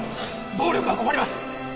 暴力は困ります！